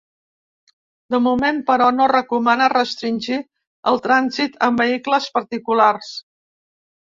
De moment però no recomana restringir el trànsit amb vehicles particulars.